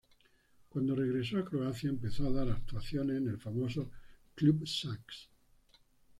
Cuando regresó a Croacia, empezó a dar actuaciones en el famoso Klub Sax!